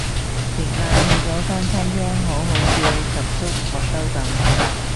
食晏去咗間餐廳好好笑十足麥兜噉